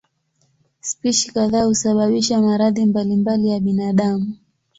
Spishi kadhaa husababisha maradhi mbalimbali ya binadamu.